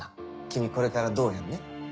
君これからどーやんね。